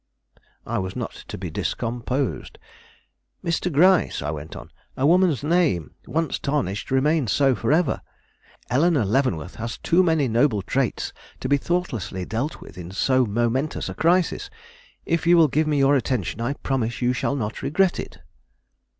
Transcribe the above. I was not to be discomposed, "Mr. Gryce," I went on, "a woman's name, once tarnished, remains so forever. Eleanore Leavenworth has too many noble traits to be thoughtlessly dealt with in so momentous a crisis. If you will give me your attention, I promise you shall not regret it."